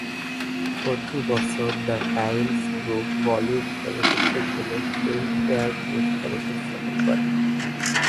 প্রতি বছর the Times Group Bollywood চলচ্চিত্রের জন্য ফিল্মফেয়ার পুরস্কার উপস্থাপন করে।